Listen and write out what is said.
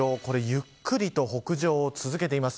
ゆっくりと北上を続けています。